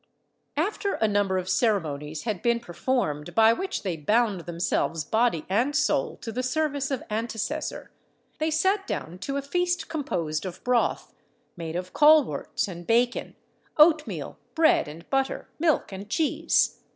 After a number of ceremonies had been performed, by which they bound themselves body and soul to the service of Antecessor, they sat down to a feast composed of broth, made of colworts and bacon, oatmeal, bread and butter, milk and cheese.